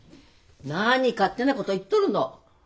何勝手なこと言っとるの。